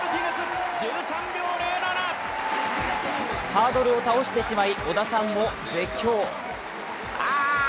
ハードルを倒してしまい、織田さんも絶叫。